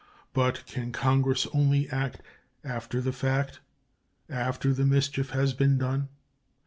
But can Congress only act after the fact, after the mischief has been done?